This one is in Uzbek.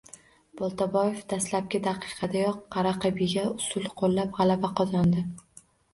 Boltaboyev dastlabki daqiqadayoq raqibiga usul qo‘llab, g‘alaba qozondi